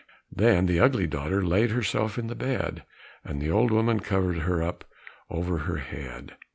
Then the ugly daughter laid herself in the bed, and the old woman covered her up over her head.